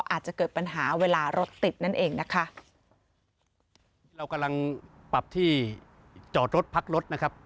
อาจจะเกิดปัญหาเวลารถติดนั่นเองนะคะที่เรากำลังปรับที่จอดรถพักรถนะครับ